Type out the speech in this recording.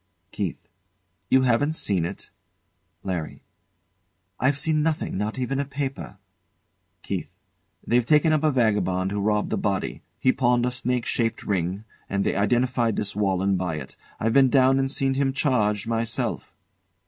KEITH. You haven't seen it? LARRY. I've seen nothing, not even a paper. KEITH. They've taken up a vagabond who robbed the body. He pawned a snake shaped ring, and they identified this Walenn by it. I've been down and seen him charged myself.